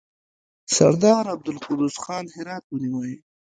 سردار عبدالقدوس خان هرات ونیوی.